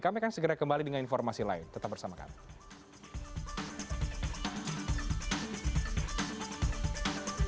kami akan segera kembali dengan informasi lain tetap bersama kami